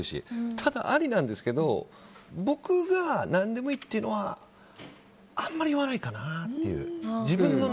ただ、ありなんですけど僕が何でもいいというのはあまり言わないかなという。